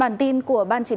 bản tin của ban chỉ đạo